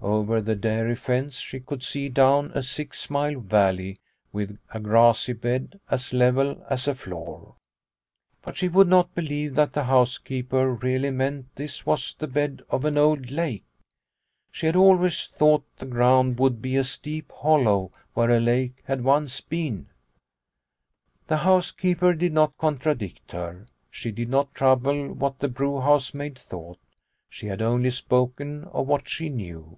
Over the dairy fence she could see down a six mile valley with a grassy bed as level as a floor. But she would not believe that the house keeper really meant this was the bed of an old lake. She had always thought the ground would be a steep hollow where a lake had once been. The housekeeper did not contradict her. She did not trouble what the brew house maid thought. She had only spoken of what she knew.